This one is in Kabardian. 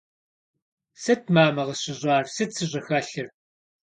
Сыт, мамэ, къысщыщӏар, сыт сыщӏыхэлъыр?